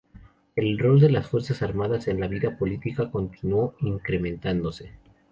El rol de las Fuerzas Armadas en la vida política continuó incrementándose.